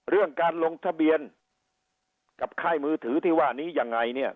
เรื่องการลงทะเบียนกับค่ายมือถือที่ว่านี้ยังไงเนี่ย